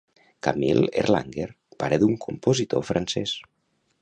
Camille Erlanger, pare d'un compositor francès.